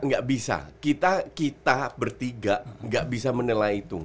nggak bisa kita bertiga gak bisa menilai itu